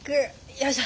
よいしょ！